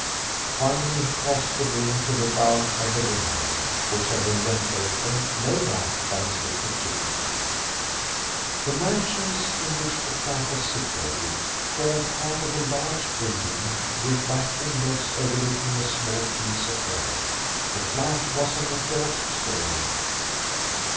Finally he crossed the room to look out of the window, which had been left open, no doubt by Inspector Chippenfield. The mansions in which the flat was situated formed part of a large building, with back windows overlooking a small piece of ground. The flat was on the fourth story.